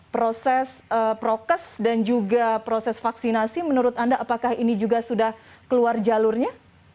proses prokes dan juga proses vaksinasi menurut anda apakah ini juga sudah keluar jalurnya